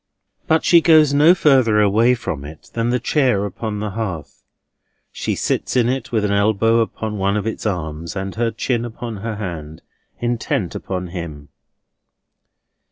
But she goes no further away from it than the chair upon the hearth. She sits in it, with an elbow on one of its arms, and her chin upon her hand, intent upon him.